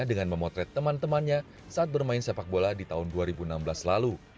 dengan memotret teman temannya saat bermain sepak bola di tahun dua ribu enam belas lalu